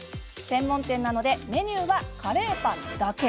専門店なのでメニューはカレーパンだけ。